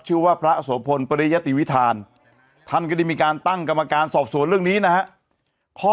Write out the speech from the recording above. ชื่อว่าพระโสพลปริยติวิทานท่านก็ได้มีการตั้งกรรมการสอบสวนเรื่องนี้นะฮะ